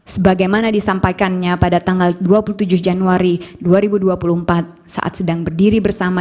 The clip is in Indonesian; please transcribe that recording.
sebagaimana disampaikannya pada tanggal dua puluh tujuh januari dua ribu dua puluh empat saat sedang berdiri bersama